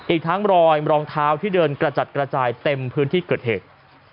อีกทั้งรอยรองเท้าที่เดินกระจัดกระจายเต็มพื้นที่เกิดเหตุ